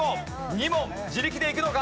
２問自力でいくのか？